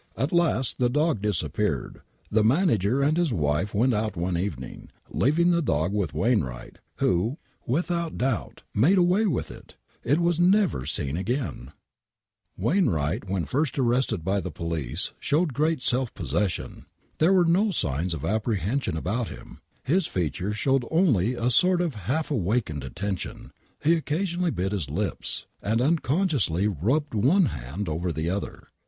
At last the dog disappeared. The manager and his wife went out one evening, leaving the dog with Wainwright, who, without doubt, made away with it I It was never seen again !!! Wainwright when first arrested by the police showed great self possession. There were no signs of apprehension about him; his features showed only a sort of half awakened attention ; he occasionally bit his lips, and unconsciously rubbed one hand over the other.